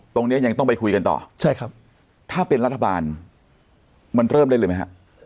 ยังต้องไปคุยกันต่อใช่ครับถ้าเป็นรัฐบาลมันเริ่มได้เลยไหมฮะ